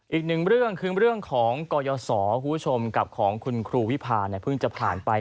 อีกหนึ่งเรื่องคือเรื่องของกรยศคุณผู้ชมกับของคุณครูวิพาเนี่ยเพิ่งจะผ่านไป